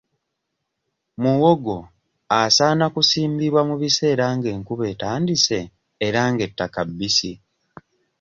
Muwogo asaana kusimbibwa mu biseera ng'enkuba etandise era ng'ettaka bbisi.